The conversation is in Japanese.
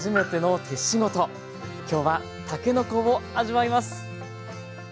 今日はたけのこを味わいます。